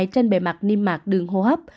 trên bề mặt niêm mạc đường hô hấp